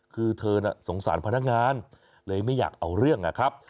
คือเธอน่ะสงสารพนักงานเลยไม่อยากเอาเรื่องนะครับ